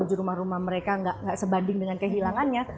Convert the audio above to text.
menuju rumah rumah mereka nggak sebanding dengan kehilangannya